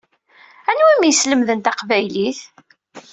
Anwa i m-yeslemden taqbaylit?